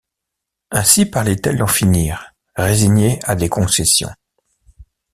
Aussi parlait-elle d’en finir, résignée à des concessions.